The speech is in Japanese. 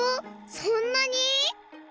そんなに！？